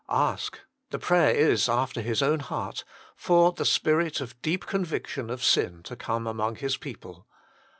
Ask the prayer is after His own heart for the spirit of deep conviction of sin to come among His people.